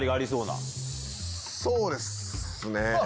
そうですね。